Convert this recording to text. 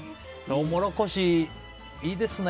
トウモロコシ、いいですね。